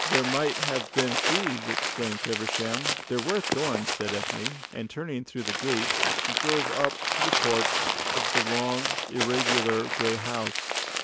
"There might have been thieves," exclaimed Feversham. "There were thorns," said Ethne, and turning through the gates she drove up to the porch of the long, irregular grey house.